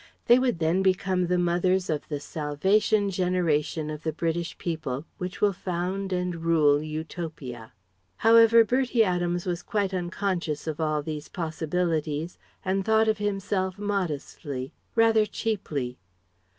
They would then become the mothers of the salvation generation of the British people which will found and rule Utopia. However, Bertie Adams was quite unconscious of all these possibilities, and thought of himself modestly, rather cheaply.